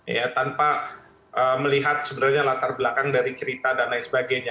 ya tanpa melihat sebenarnya latar belakang dari cerita dan lain sebagainya